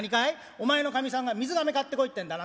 お前のかみさんが水瓶買ってこいってんだな？